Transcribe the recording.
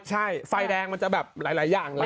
ใช่ไฟแดงมันจะแบบหลายอย่างเลย